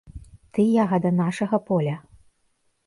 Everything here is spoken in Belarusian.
Ты ягада нашага поля.